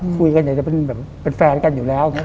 คุยกันเหล่ะจะเป็นแฟนกันอยู่แล้ว